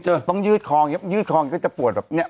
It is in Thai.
ต้องยืดคลองยืดคลองก็จะปวดแบบเนี่ย